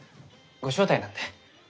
ご招待なんで。